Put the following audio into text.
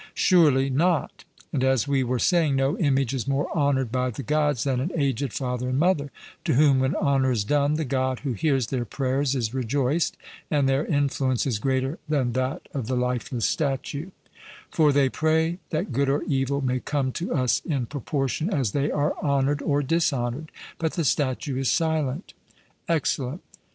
'Surely not.' And, as we were saying, no image is more honoured by the Gods than an aged father and mother, to whom when honour is done, the God who hears their prayers is rejoiced, and their influence is greater than that of the lifeless statue; for they pray that good or evil may come to us in proportion as they are honoured or dishonoured, but the statue is silent. 'Excellent.'